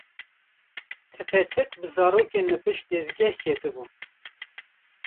Tiqetiq bi zarokên li pişt dezgeh ketibû.